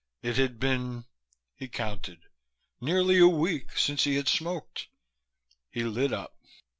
It had been he counted nearly a week since he had smoked. He lit up.